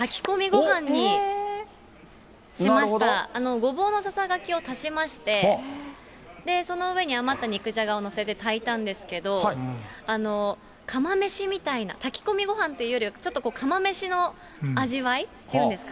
ごぼうのささがきを足しまして、で、その上に余った肉じゃがを載せて炊いたんですけれども、釜飯みたいな、炊き込みというよりはちょっと釜飯の味わいっていうんですか？